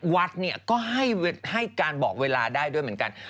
วัดเนี่ยก็ให้การบอกเวลาได้ด้วยเหมือนกัน